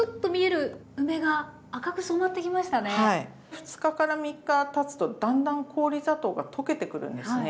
２日から３日たつとだんだん氷砂糖が溶けてくるんですね。